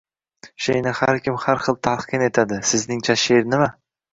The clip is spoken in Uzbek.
– She’rni har kim har xil talqin etadi. Sizningcha, she’r nima?